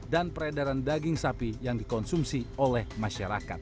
dan peredaran daging sapi yang dikonsumsi oleh masyarakat